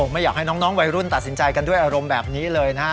ไม่อยากให้น้องวัยรุ่นตัดสินใจกันด้วยอารมณ์แบบนี้เลยนะฮะ